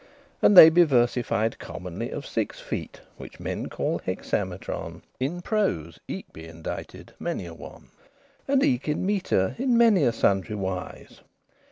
And they be versified commonly Of six feet, which men call hexametron; In prose eke* be indited many a one, *also And eke in metre, in many a sundry wise.